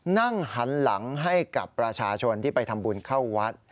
นั่งหันหลังให้กับประชาชนที่ไปทำบุญเข้าวัด